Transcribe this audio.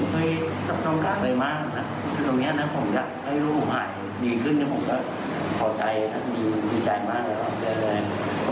แต่ลูกยังให้รักเขาช่วยดูแลหน่อยด้วยวัคซีน